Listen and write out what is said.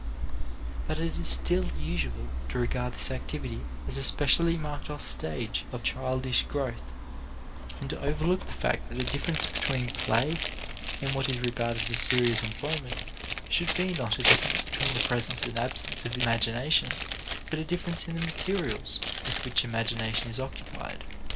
But it is still usual to regard this activity as a specially marked off stage of childish growth, and to overlook the fact that the difference between play and what is regarded as serious employment should be not a difference between the presence and absence of imagination, but a difference in the materials with which imagination is occupied.